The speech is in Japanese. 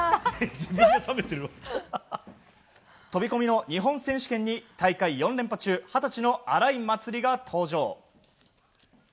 飛込の日本選手権に大会４連覇中二十歳の荒井祭里が登場。